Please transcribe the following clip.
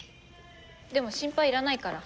でも心配いらないから。